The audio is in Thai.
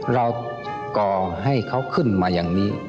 ก่อให้เขาขึ้นมาอย่างนี้